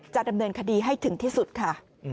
จะดำเนินคดีให้ถึงที่สุดค่ะ